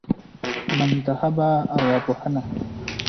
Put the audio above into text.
منتخبه ارواپوهنه